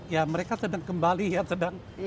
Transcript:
ya mereka sedang kembali ya